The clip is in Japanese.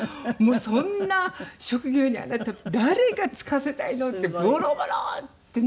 「そんな職業にあなた誰が就かせたいの？」ってボロボロって泣かれまして。